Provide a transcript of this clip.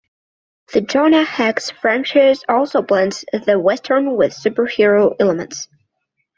The "Jonah Hex" franchise also blends the Western with superhero elements.